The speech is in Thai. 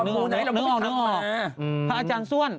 พระอาจารย์ซ่วน